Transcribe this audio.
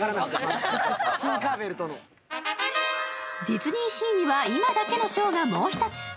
ディズニーシーには今だけのショーがもう一つ。